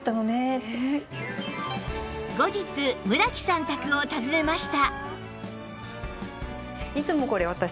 後日村木さん宅を訪ねました